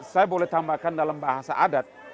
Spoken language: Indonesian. saya boleh tambahkan dalam bahasa adat